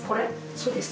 そうです。